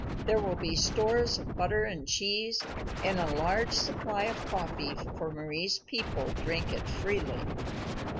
There will be stores of butter and cheese and a large supply of coffee, for Mari's people drink it freely.